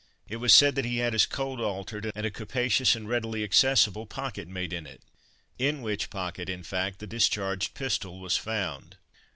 It was said that he had his coat altered, and a capacious and readily accessible pocket made in it; in which pocket, in fact, the discharged pistol was found.